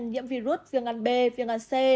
nhiễm virus viên ngăn b viên ngăn c